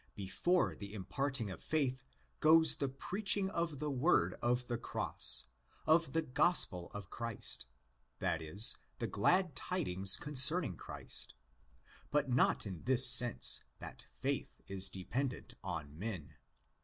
Before the imparting of faith goes the preaching of the word of the Cross, of the '' Gospel of Christ ''—that is, the glad tidings concerning Christ. But not in this sense, that faith is dependent on men.